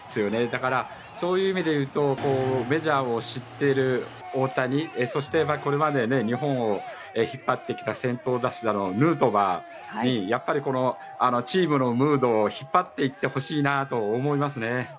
だから、そういう意味で言うとメジャーを知っている大谷、そして、これまで日本を引っ張ってきた先頭打者のヌートバーにチームのムードを引っ張っていってほしいなと思いますね。